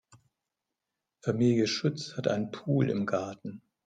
Familie Schütz hat einen Pool im Garten.